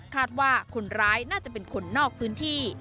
คาดว่าคนร้ายน่าจะเป็นคนนอกพื้นที่